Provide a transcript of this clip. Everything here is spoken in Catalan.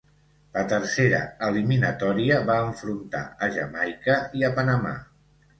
La tercera eliminatòria va enfrontar a Jamaica i a Panamà.